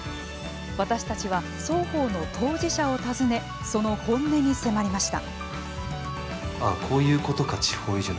私たちは双方の当事者を訪ねその本音に迫りました。